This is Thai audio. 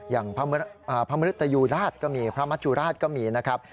อย่างพระมริตยูราชก็มีพระมัจจุราชก็มีนะครับ